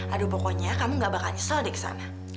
aduh pokoknya kamu gak bakal nyesel deh kesana